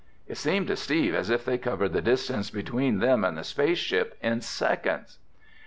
It seemed to Steve as if they covered the distance between them and the space ship in seconds.